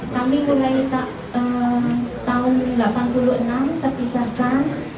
kami mulai tahun seribu sembilan ratus delapan puluh enam terpisahkan